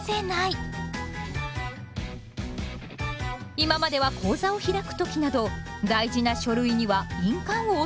今までは口座を開く時など大事な書類には印鑑を押す必要がありました。